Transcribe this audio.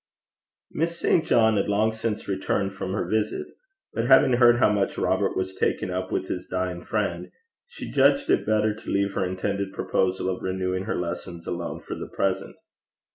Miss St. John had long since returned from her visit, but having heard how much Robert was taken up with his dying friend, she judged it better to leave her intended proposal of renewing her lessons alone for the present.